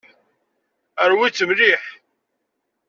Rwit-tt mliḥ.